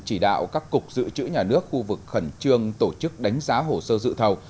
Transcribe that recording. chỉ đạo các cục dự trữ nhà nước khu vực khẩn trương tổ chức đánh giá hồ sơ dự thầu